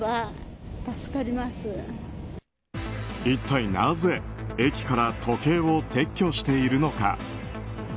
一体なぜ駅から時計を撤去しているのか。